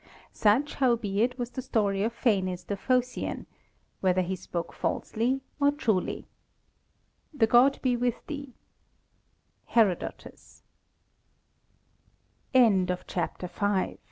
Such, howbeit, was the story of Phanes the Phocæan, whether he spoke falsely or truly. The God be with thee. HERODOTUS. VI.